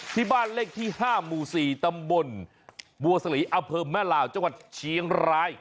ที่บ้านเลขที่๕หมู่๔ตำบลบัวสลีอำเภอแม่ลาวจังหวัดเชียงราย